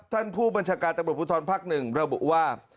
ท่านผู้บัญชาการตำรวจภูทรภักดิ์๑ระบุว่า